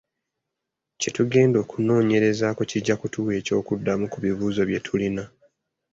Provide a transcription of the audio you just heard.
Kye tugenda okunoonyerezaako kijja kutuwa eky'okuddamu ku bibuuzo bye tulina.